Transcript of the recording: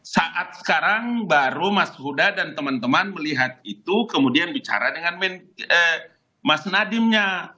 saat sekarang baru mas huda dan teman teman melihat itu kemudian bicara dengan mas nadiemnya